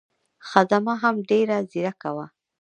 خدمه هم ډېره ځیرکه وه.